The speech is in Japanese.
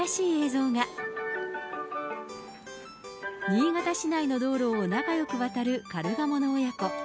新潟市内の道路を仲よく渡るカルガモの親子。